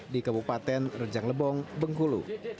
di kabupaten rejang lebong bengkulu